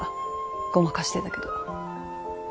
ごまかしてたけど。